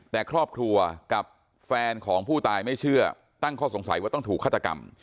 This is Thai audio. แต่ครอบครัวกับแฟนของผู้ตายไม่เชื่อตั้งข้อสงสัยว่าต้องถูกฆาตกรรม